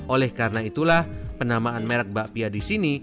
oleh karena itulah penamaan merek bakpia di sini